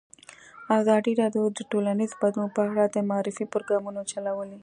ازادي راډیو د ټولنیز بدلون په اړه د معارفې پروګرامونه چلولي.